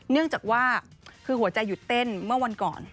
เนื่องจากว่าคือหัวใจหยุดเต้นเมื่อวันก่อน